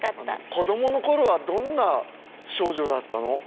子供の頃はどんな少女だったの？